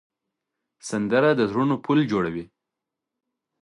سندره د زړونو پل جوړوي